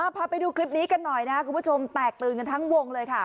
พาไปดูคลิปนี้กันหน่อยนะครับคุณผู้ชมแตกตื่นกันทั้งวงเลยค่ะ